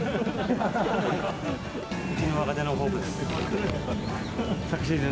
うちの若手のホープです。